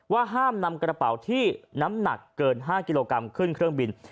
ห้ามนำกระเป๋าที่น้ำหนักเกิน๕กิโลกรัมขึ้นเครื่องบิน